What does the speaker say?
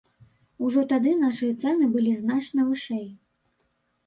Ужо тады нашыя цэны былі значна вышэй.